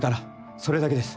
それだけです。